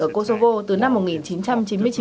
ở kosovo từ năm một nghìn chín trăm chín mươi chín